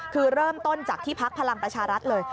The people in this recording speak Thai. คือเริ่มต้นจากที่พักพลังประชารัฐเลย